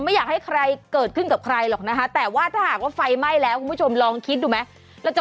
ไม่อยากให้ใครเกิดขึ้นกับใครหรอกนะคะแต่ว่าถ้าหากว่าไฟไหม้แล้วคุณผู้ชมลองคิดดูไหม